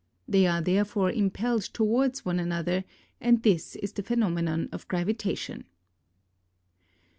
They are therefore impelled towards one another, and this is the phenomenon of gravitation.